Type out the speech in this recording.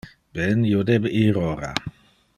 Ben, io debe ir ora.